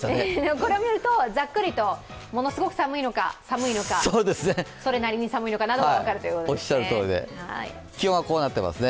これを見るとざっくりと、ものすごい寒いのか、寒いのか、それなりに寒いのかなどが分かるということですね。